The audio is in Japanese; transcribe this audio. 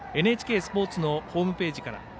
ＮＨＫスポーツのホームページから。